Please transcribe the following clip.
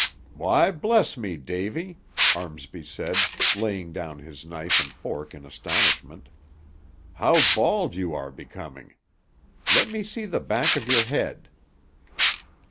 "Why, bless me, Davy," Armsby said, laying down his knife and fork in astonishment; "how bald you are becoming! Let me see the back of your head."